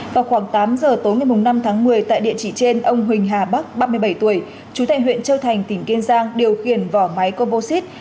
vào khoảng tám giờ tối ngày năm tháng một mươi tại địa chỉ trên ông huỳnh hà bắc ba mươi bảy tuổi chú tại huyện châu thành tỉnh kiên giang điều khiển vỏ máy composite